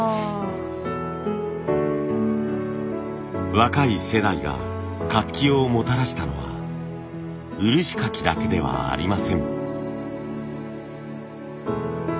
若い世代が活気をもたらしたのは漆かきだけではありません。